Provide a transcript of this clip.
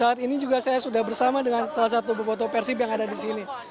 saat ini juga saya sudah bersama dengan salah satu bobotoh persib yang ada disini